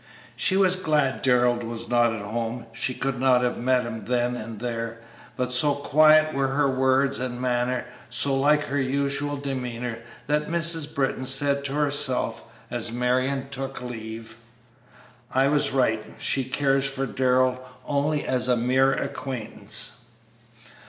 She was glad Darrell was not at home; she could not have met him then and there. But so quiet were her words and manner, so like her usual demeanor, that Mrs. Britton said to herself, as Marion took leave, "I was right; she cares for Darrell only as a mere acquaintance."